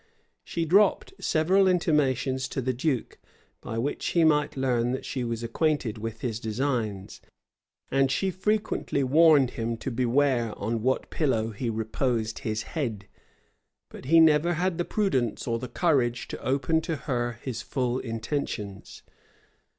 She dropped several intimations to the duke, by which he might learn that she was acquainted with his designs; and she frequently warned him to beware on what pillow he reposed his head:[] but he never had the prudence or the courage to open to her his full intentions.